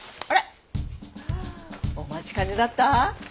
あっお待ちかねだった？